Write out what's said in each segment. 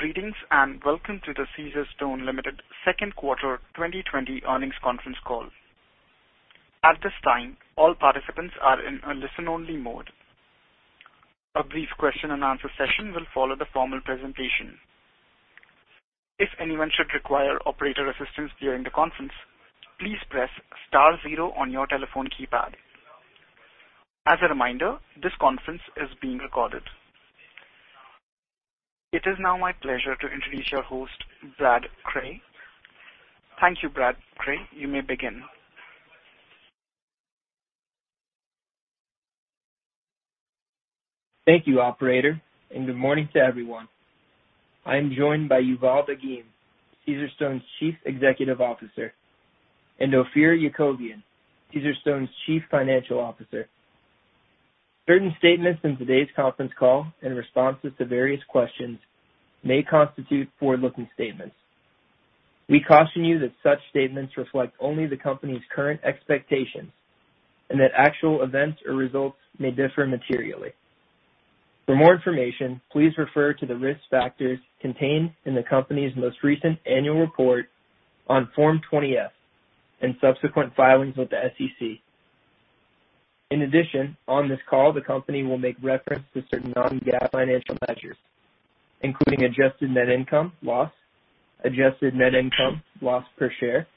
Greetings, and welcome to the Caesarstone Limited second quarter 2020 earnings conference call. At this time, all participants are in a listen-only mode. A brief question and answer session will follow the formal presentation. If anyone should require operator assistance during the conference, please press star zero on your telephone keypad. As a reminder, this conference is being recorded. It is now my pleasure to introduce your host, Brad Cray. Thank you, Brad Cray. You may begin. Thank you, operator, and good morning to everyone. I am joined by Yuval Dagim, Caesarstone Limited's Chief Executive Officer, and Ophir Yakovian, Caesarstone's Chief Financial Officer. Certain statements in today's conference call and responses to various questions may constitute forward-looking statements. We caution you that such statements reflect only the company's current expectations, and that actual events or results may differ materially. For more information, please refer to the risk factors contained in the company's most recent annual report on Form 20-F, and subsequent filings with the SEC. In addition, on this call, the company will make reference to certain non-GAAP financial measures, including adjusted net income loss, adjusted net income loss per share,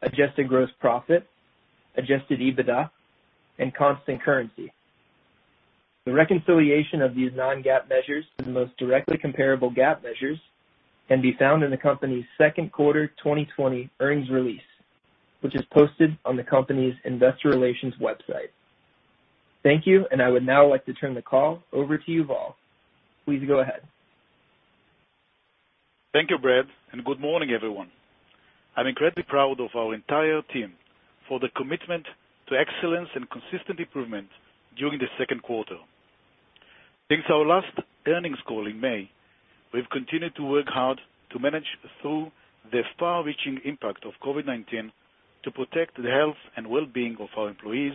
adjusted gross profit, adjusted EBITDA, and constant currency. The reconciliation of these non-GAAP measures to the most directly comparable GAAP measures can be found in the company's second quarter 2020 earnings release, which is posted on the company's investor relations website. Thank you. I would now like to turn the call over to Yuval. Please go ahead. Thank you, Brad, and good morning, everyone. I'm incredibly proud of our entire team for the commitment to excellence and consistent improvement during the second quarter. Since our last earnings call in May, we've continued to work hard to manage through the far-reaching impact of COVID-19 to protect the health and well-being of our employees,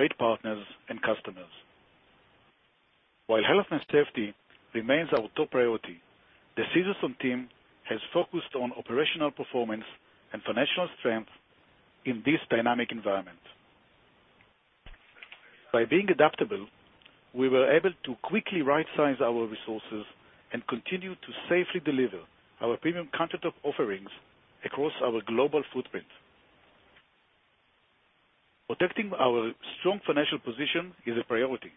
trade partners, and customers. While health and safety remains our top priority, the Caesarstone Limited team has focused on operational performance and financial strength in this dynamic environment. By being adaptable, we were able to quickly right-size our resources and continue to safely deliver our premium countertop offerings across our global footprint. Protecting our strong financial position is a priority,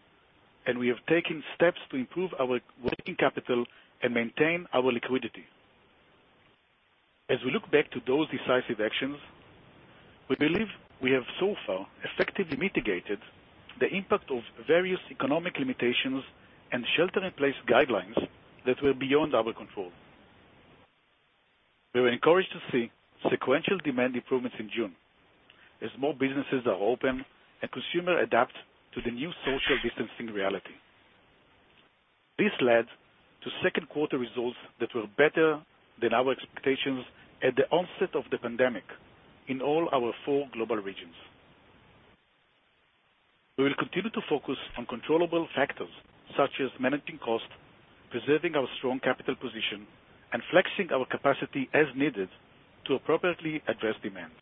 and we have taken steps to improve our working capital and maintain our liquidity. As we look back to those decisive actions, we believe we have so far effectively mitigated the impact of various economic limitations and shelter-in-place guidelines that were beyond our control. We were encouraged to see sequential demand improvements in June as more businesses are open and consumer adapt to the new social distancing reality. This led to second quarter results that were better than our expectations at the onset of the pandemic in all our four global regions. We will continue to focus on controllable factors such as managing cost, preserving our strong capital position, and flexing our capacity as needed to appropriately address demand.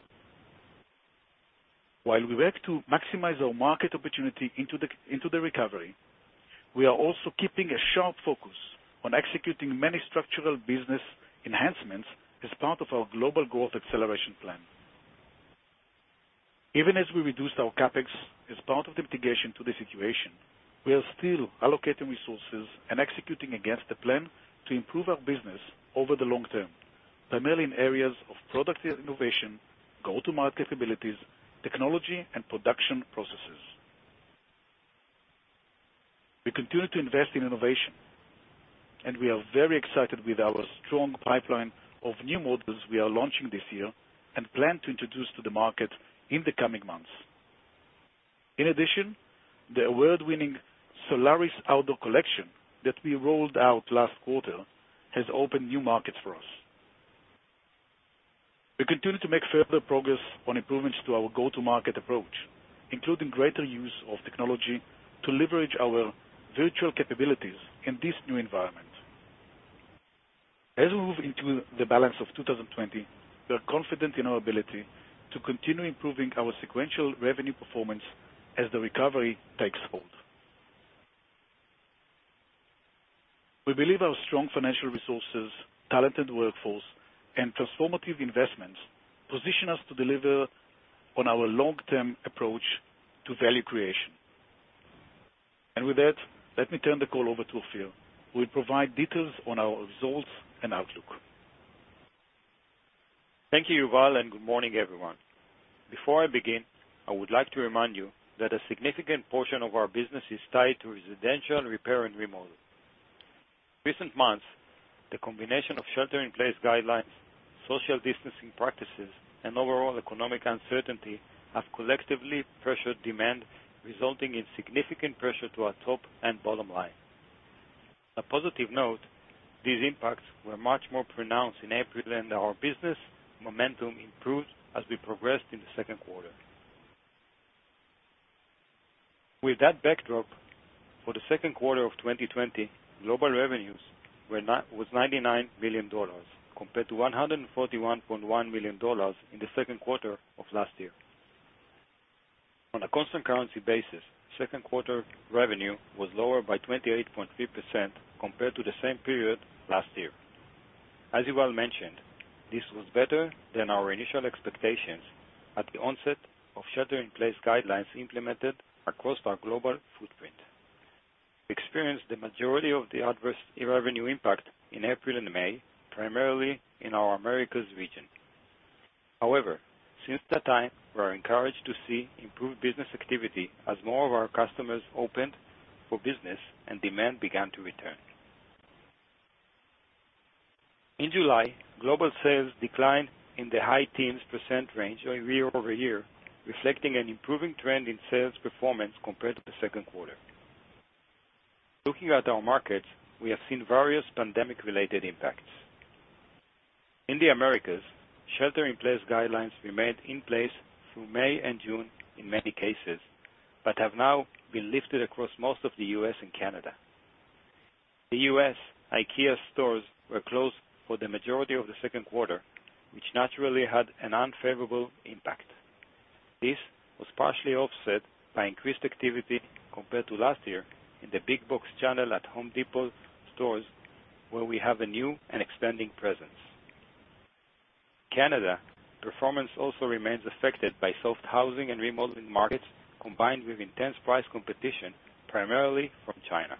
While we work to maximize our market opportunity into the recovery, we are also keeping a sharp focus on executing many structural business enhancements as part of our Global Growth Acceleration Plan. Even as we reduce our CapEx as part of the mitigation to the situation, we are still allocating resources and executing against the plan to improve our business over the long term, primarily in areas of product innovation, go-to-market capabilities, technology, and production processes. We continue to invest in innovation, and we are very excited with our strong pipeline of new models we are launching this year and plan to introduce to the market in the coming months. In addition, the award-winning Solaris outdoor collection that we rolled out last quarter has opened new markets for us. We continue to make further progress on improvements to our go-to-market approach, including greater use of technology to leverage our virtual capabilities in this new environment. As we move into the balance of 2020, we are confident in our ability to continue improving our sequential revenue performance as the recovery takes hold. We believe our strong financial resources, talented workforce, and transformative investments position us to deliver on our long-term approach to value creation. With that, let me turn the call over to Ophir, who will provide details on our results and outlook. Thank you, Yuval, and good morning, everyone. Before I begin, I would like to remind you that a significant portion of our business is tied to residential repair and remodel. In recent months, the combination of shelter-in-place guidelines, social distancing practices, and overall economic uncertainty have collectively pressured demand, resulting in significant pressure to our top and bottom line. On a positive note, these impacts were much more pronounced in April, and our business momentum improved as we progressed in the second quarter. With that backdrop, for the second quarter of 2020, global revenues was $99 million compared to $141.1 million in the second quarter of last year. On a constant currency basis, second quarter revenue was lower by 28.3% compared to the same period last year. As Yuval mentioned, this was better than our initial expectations at the onset of shelter-in-place guidelines implemented across our global footprint. We experienced the majority of the adverse revenue impact in April and May, primarily in our Americas region. However, since that time, we are encouraged to see improved business activity as more of our customers opened for business and demand began to return. In July, global sales declined in the high teens percent range year-over-year, reflecting an improving trend in sales performance compared to the second quarter. Looking at our markets, we have seen various pandemic-related impacts. In the Americas, shelter-in-place guidelines remained in place through May and June in many cases, but have now been lifted across most of the U.S. and Canada. The US IKEA stores were closed for the majority of the second quarter, which naturally had an unfavorable impact. This was partially offset by increased activity compared to last year in the big box channel at Home Depot stores, where we have a new and expanding presence. Canada performance also remains affected by soft housing and remodeling markets, combined with intense price competition, primarily from China.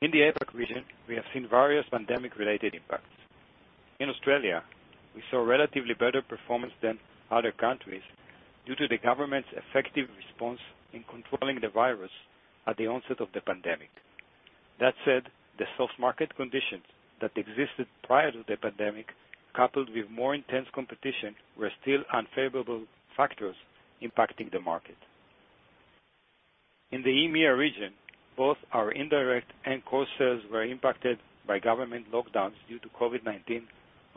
In the APAC region, we have seen various pandemic-related impacts. In Australia, we saw relatively better performance than other countries due to the government's effective response in controlling the virus at the onset of the pandemic. That said, the soft market conditions that existed prior to the pandemic, coupled with more intense competition, were still unfavorable factors impacting the market. In the EMEA region, both our indirect and core sales were impacted by government lockdowns due to COVID-19,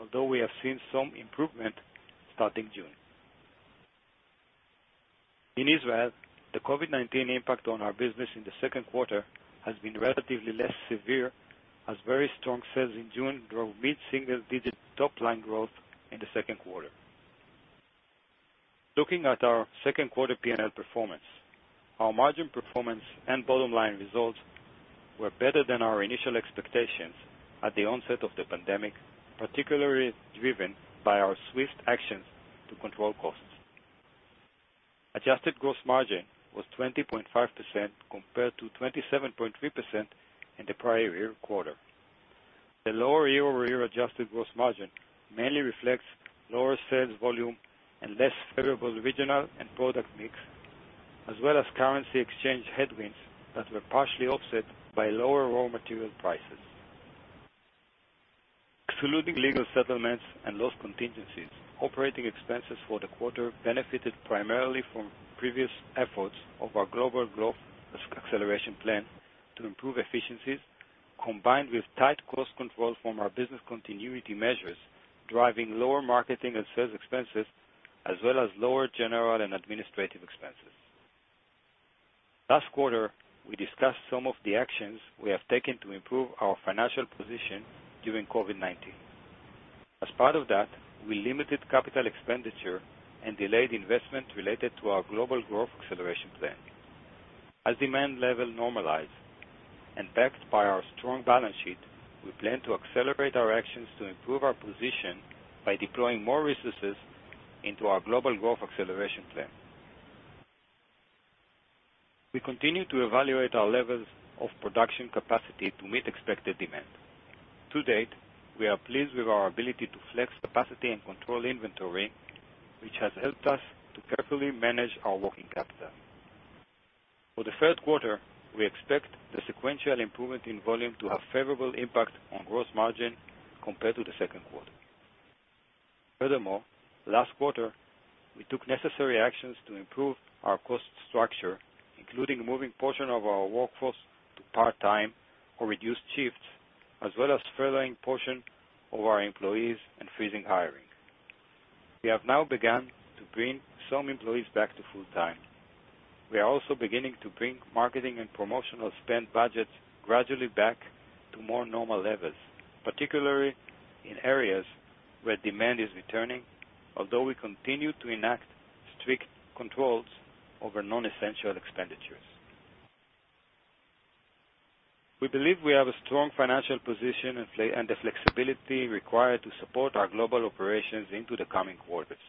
although we have seen some improvement starting June. In Israel, the COVID-19 impact on our business in the second quarter has been relatively less severe as very strong sales in June drove mid-single digit top-line growth in the second quarter. Looking at our second quarter P&L performance, our margin performance and bottom-line results were better than our initial expectations at the onset of the pandemic, particularly driven by our swift actions to control costs. Adjusted gross margin was 20.5% compared to 27.3% in the prior year quarter. The lower year-over-year adjusted gross margin mainly reflects lower sales volume and less favorable regional and product mix, as well as currency exchange headwinds that were partially offset by lower raw material prices. Excluding legal settlements and loss contingencies, operating expenses for the quarter benefited primarily from previous efforts of our Global Growth Acceleration Plan to improve efficiencies, combined with tight cost control from our business continuity measures, driving lower marketing and sales expenses, as well as lower general and administrative expenses. Last quarter, we discussed some of the actions we have taken to improve our financial position during COVID-19. As part of that, we limited capital expenditure and delayed investment related to our Global Growth Acceleration Plan. As demand levels normalize and backed by our strong balance sheet, we plan to accelerate our actions to improve our position by deploying more resources into our Global Growth Acceleration Plan. We continue to evaluate our levels of production capacity to meet expected demand. To date, we are pleased with our ability to flex capacity and control inventory, which has helped us to carefully manage our working capital. For the third quarter, we expect the sequential improvement in volume to have favorable impact on gross margin compared to the second quarter. Furthermore, last quarter, we took necessary actions to improve our cost structure, including moving portion of our workforce to part-time or reduced shifts, as well as furloughing portion of our employees and freezing hiring. We have now begun to bring some employees back to full-time. We are also beginning to bring marketing and promotional spend budgets gradually back to more normal levels, particularly in areas where demand is returning, although we continue to enact strict controls over non-essential expenditures. We believe we have a strong financial position and the flexibility required to support our global operations into the coming quarters.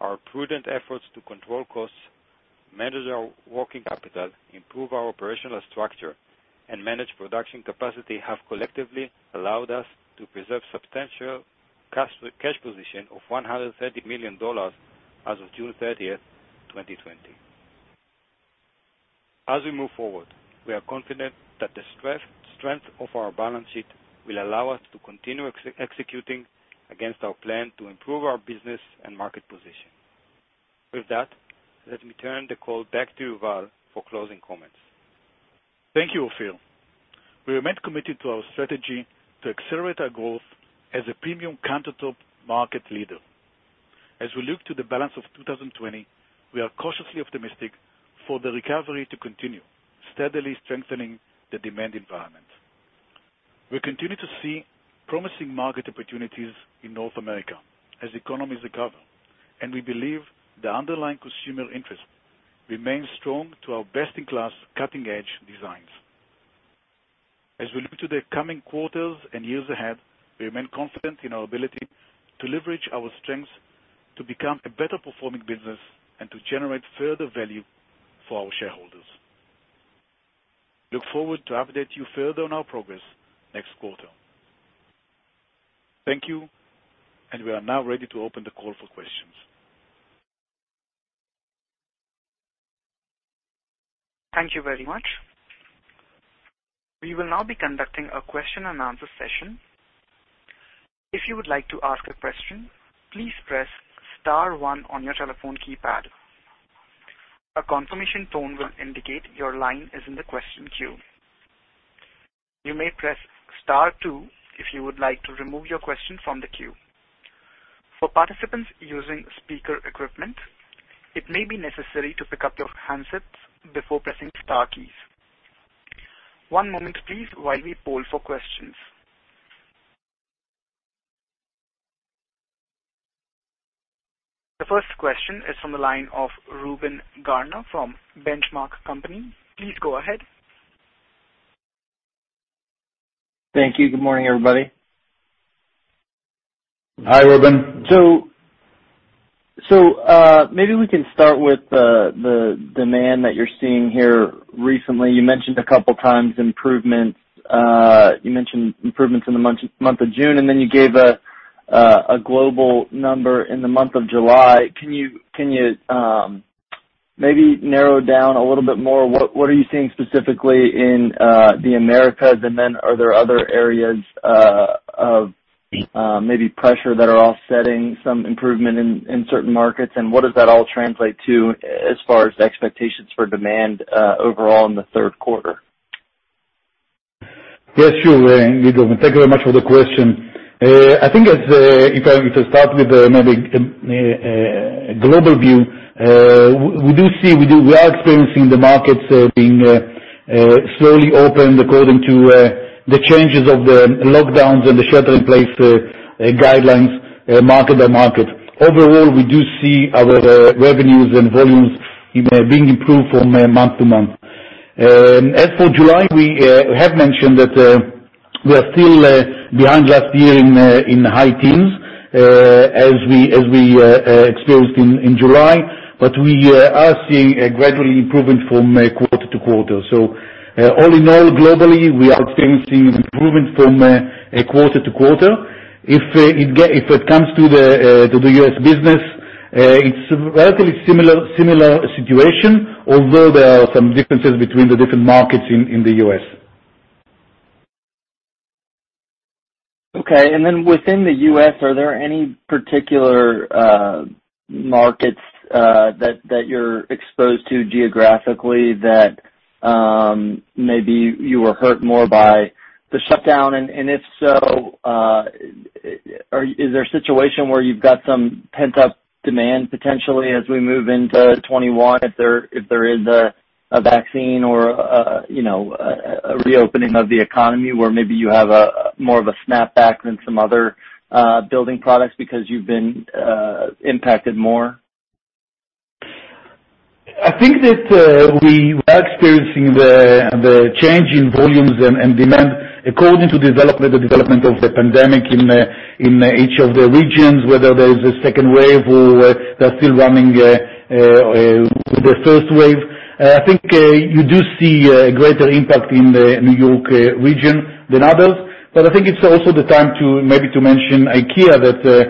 Our prudent efforts to control costs, manage our working capital, improve our operational structure, and manage production capacity have collectively allowed us to preserve substantial cash position of $130 million as of June 30th, 2020. As we move forward, we are confident that the strength of our balance sheet will allow us to continue executing against our plan to improve our business and market position. With that, let me turn the call back to Yuval for closing comments. Thank you, Ophir. We remain committed to our strategy to accelerate our growth as a premium countertop market leader. As we look to the balance of 2020, we are cautiously optimistic for the recovery to continue, steadily strengthening the demand environment. We continue to see promising market opportunities in North America as economies recover, and we believe the underlying consumer interest remains strong to our best-in-class cutting-edge designs. As we look to the coming quarters and years ahead, we remain confident in our ability to leverage our strengths to become a better performing business and to generate further value for our shareholders. Look forward to update you further on our progress next quarter. Thank you. We are now ready to open the call for questions. Thank you very much. We will now be conducting a question and answer session. If you would like to ask a question, please press star one on your telephone keypad. A confirmation tone will indicate your line is in the question queue. You may press star two if you would like to remove your question from the queue. For participants using speaker equipment, it may be necessary to pick up your handsets before pressing star keys. One moment please, while we poll for questions. The first question is from the line of Reuben Garner from Benchmark Company. Please go ahead. Thank you. Good morning, everybody. Hi, Reuben. Maybe we can start with the demand that you're seeing here recently. You mentioned a couple of times improvements. You mentioned improvements in the month of June, and then you gave a global number in the month of July. Can you maybe narrow down a little bit more? What are you seeing specifically in the Americas? Then are there other areas of maybe pressure that are offsetting some improvement in certain markets, and what does that all translate to as far as expectations for demand overall in the third quarter? Yes, sure, Reuben. Thank you very much for the question. I think if I start with maybe a global view, we are experiencing the markets being slowly opened according to the changes of the lockdowns and the shelter-in-place guidelines market by market. We do see our revenues and volumes being improved from month-to-month. As for July, we have mentioned that we are still behind last year in high teens, as we experienced in July, we are seeing a gradual improvement from quarter-to-quarter. All in all, globally, we are experiencing improvement from quarter-to-quarter. If it comes to the US business, it's a relatively similar situation, although there are some differences between the different markets in the U.S. Okay, then within the U.S., are there any particular markets that you're exposed to geographically that maybe you were hurt more by the shutdown? If so, is there a situation where you've got some pent-up demand potentially as we move into 2021, if there is a vaccine or a reopening of the economy where maybe you have more of a snapback than some other building products because you've been impacted more? I think that we are experiencing the change in volumes and demand according to the development of the pandemic in each of the regions, whether there is a second wave or they're still running with the first wave. I think you do see a greater impact in the N.Y. region than others. I think it's also the time maybe to mention IKEA, that the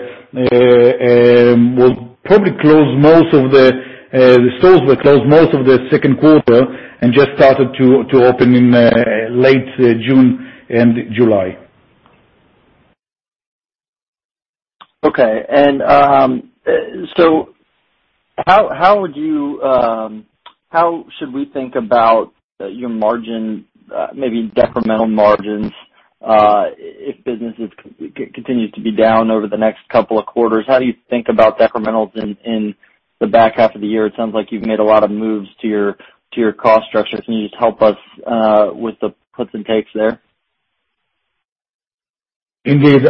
stores were closed most of the second quarter and just started to open in late June and July. Okay. How should we think about your margin, maybe decremental margins, if business continues to be down over the next couple of quarters? How do you think about decrementals in the back half of the year? It sounds like you've made a lot of moves to your cost structure. Can you just help us with the puts and takes there? Indeed.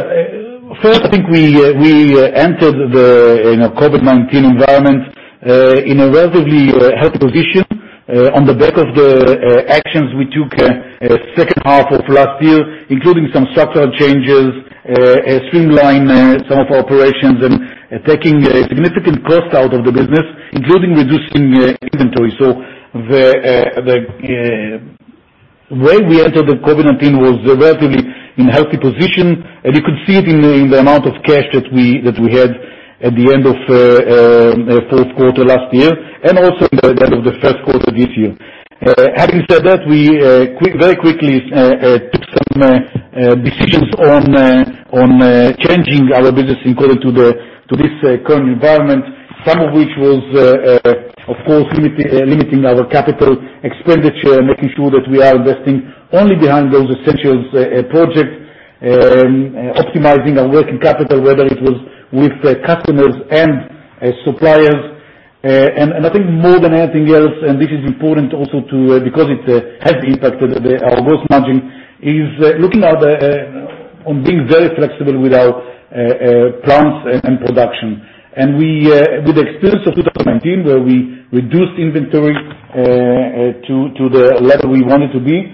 First, I think we entered the COVID-19 environment in a relatively healthy position on the back of the actions we took second half of last year, including some structural changes, streamline some of our operations, and taking a significant cost out of the business, including reducing inventory. The way we entered the COVID-19 was relatively in a healthy position, and you could see it in the amount of cash that we had at the end of fourth quarter last year, and also in the end of the first quarter this year. Having said that, we very quickly took some decisions on changing our business according to this current environment, some of which was, of course, limiting our capital expenditure, making sure that we are investing only behind those essentials projects, optimizing our working capital, whether it was with customers and suppliers. I think more than anything else, and this is important also because it has impacted our gross margin, is looking on being very flexible with our plants and production. With the experience of 2019, where we reduced inventory to the level we wanted to be,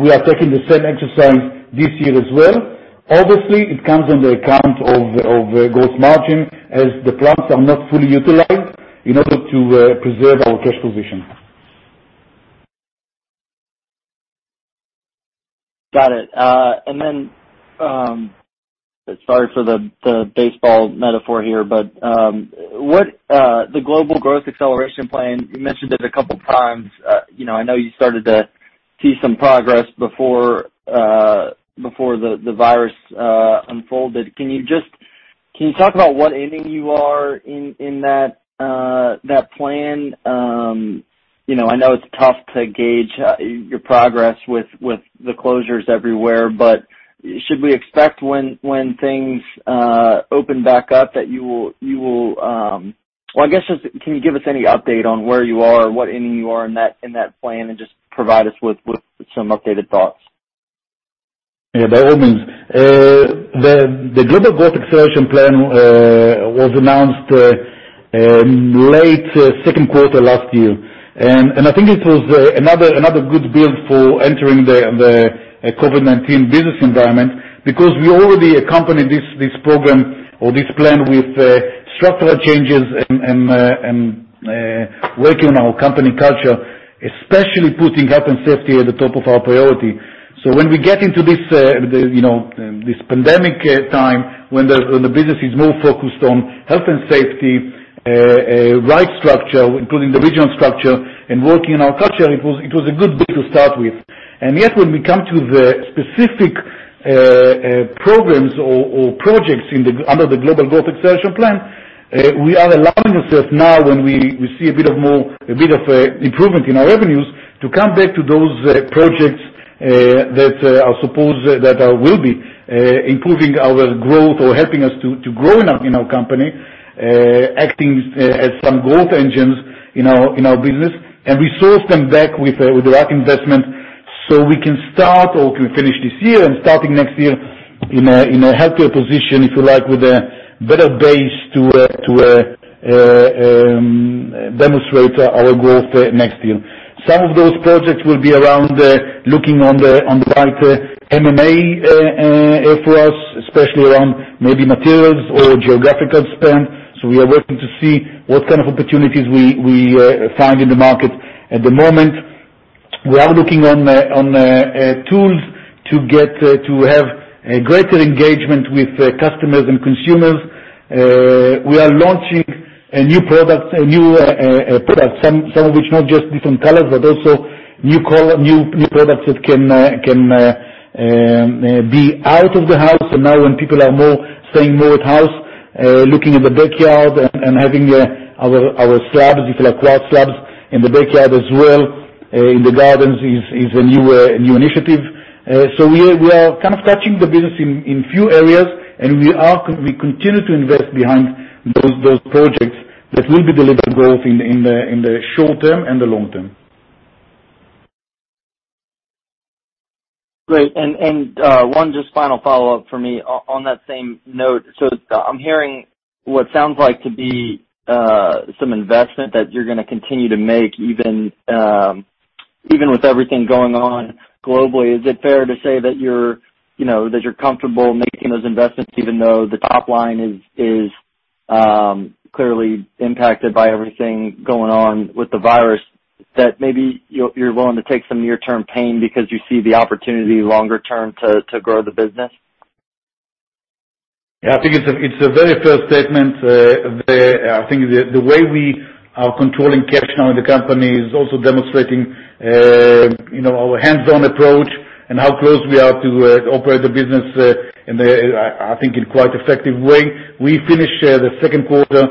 we are taking the same exercise this year as well. Obviously, it comes on the account of gross margin, as the plants are not fully utilized, in order to preserve our cash position. Got it. Sorry for the baseball metaphor here, but the Global Growth Acceleration Plan, you mentioned it a couple of times. I know you started to see some progress before the virus unfolded. Can you talk about what inning you are in that plan? I know it's tough to gauge your progress with the closures everywhere, but should we expect when things open back up, Well, I guess, can you give us any update on where you are or what inning you are in that plan and just provide us with some updated thoughts? Yeah, by all means. The Global Growth Acceleration Plan was announced late second quarter last year. I think it was another good build for entering the COVID-19 business environment, because we already accompanied this program or this plan with structural changes and working on our company culture, especially putting health and safety at the top of our priority. When we get into this pandemic time, when the business is more focused on health and safety, right structure, including the regional structure, and working on our culture, it was a good bit to start with. Yet, when we come to the specific programs or projects under the Global Growth Acceleration Plan, we are allowing ourselves now, when we see a bit of improvement in our revenues, to come back to those projects that I suppose that will be improving our growth or helping us to grow in our company, acting as some growth engines in our business, and resource them back with the right investment, so we can start or can finish this year, and starting next year in a healthier position, if you like, with a better base to demonstrate our growth next year. Some of those projects will be around looking on the right M&A for us, especially around maybe materials or geographical spend. We are working to see what kind of opportunities we find in the market. At the moment, we are looking on tools to have a greater engagement with customers and consumers. We are launching new products, some of which not just different colors, but also new products that can be out of the house, and now when people are staying more at house, looking in the backyard and having our slabs, if you like, tile slabs in the backyard as well, in the gardens, is a new initiative. We are kind of touching the business in few areas, and we continue to invest behind those projects that will be delivering growth in the short term and the long term. Great. One just final follow-up for me on that same note. I'm hearing what sounds like to be some investment that you're going to continue to make even with everything going on globally. Is it fair to say that you're comfortable making those investments even though the top line is clearly impacted by everything going on with the virus, that maybe you're willing to take some near-term pain because you see the opportunity longer-term to grow the business? Yeah, I think it's a very fair statement. I think the way we are controlling cash now in the company is also demonstrating our hands-on approach and how close we are to operate the business, I think, in quite effective way. We finished the second quarter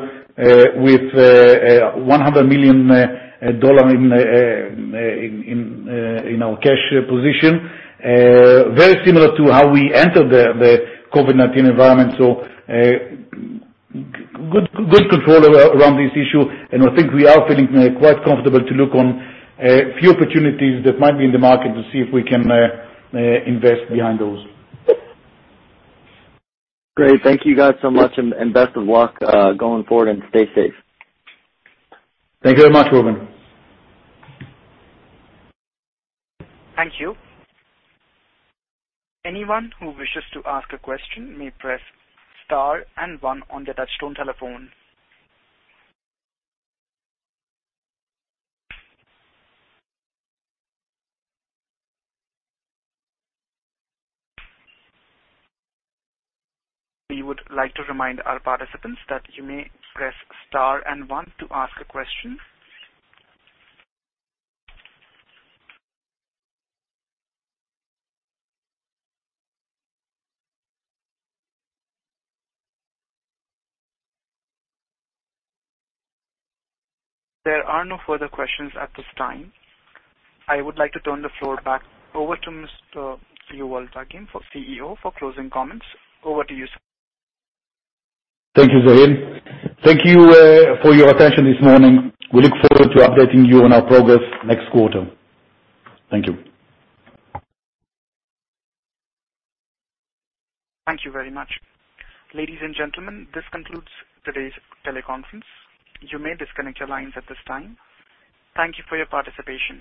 with $100 million in our cash position. Very similar to how we entered the COVID-19 environment. Good control around this issue, and I think we are feeling quite comfortable to look on a few opportunities that might be in the market to see if we can invest behind those. Great. Thank you guys so much, and best of luck, going forward, and stay safe. Thank you very much, Reuben. Thank you. Anyone who wishes to ask a question may press star and one on their touch-tone telephone. We would like to remind our participants that you may press star and one to ask a question. There are no further questions at this time. I would like to turn the floor back over to Mr. Yuval Dagim, CEO, for closing comments. Over to you, sir. Thank you, Zahin. Thank you for your attention this morning. We look forward to updating you on our progress next quarter. Thank you. Thank you very much. Ladies and gentlemen, this concludes today's teleconference. You may disconnect your lines at this time. Thank you for your participation.